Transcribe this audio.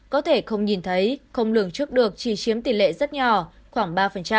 có thể không nhìn thấy không lường trước được chỉ chiếm tỷ lệ rất nhỏ khoảng ba